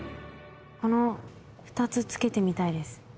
この２つ着けてみたいです。